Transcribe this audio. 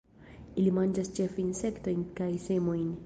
Ili manĝas ĉefe insektojn kaj semojn.